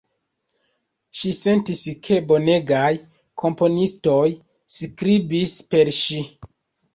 Ŝi sentis, ke bonegaj komponistoj skribis per ŝi.